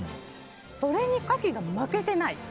それにカキが負けていない。